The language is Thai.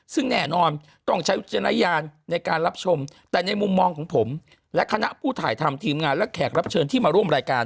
ซึ่งแน่นอนต้องใช้วิจารณญาณในการรับชมแต่ในมุมมองของผมและคณะผู้ถ่ายทำทีมงานและแขกรับเชิญที่มาร่วมรายการ